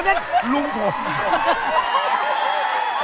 อ๋อเนี่ยลุงผม